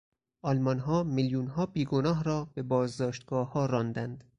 آلمانها میلیونها بیگناه را به بازداشتگاهها راندند.